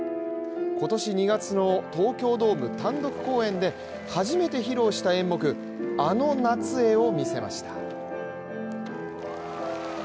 今年２月の東京ドーム単独公演で初めて披露した演目「あの夏へ」を見せました。